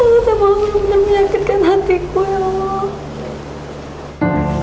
aku tak mau benar benar menyakitkan hatiku ya